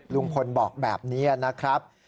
ลุงพลบอกแบบนี้นะครับ